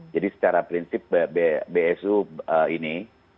jadi secara prinsip bsu ini